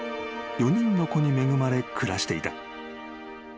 ［４人の子に恵まれ暮らしていた］